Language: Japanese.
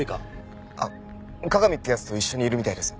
加賀美って奴と一緒にいるみたいです。